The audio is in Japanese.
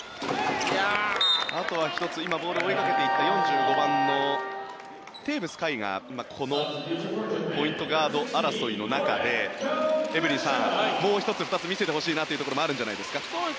あとは、１つ今、ボールを追いかけていった４５番のテーブス海がこのポイントガード争いの中でエブリンさん、もう１つ、２つ見せてほしいところもあるんじゃないですか？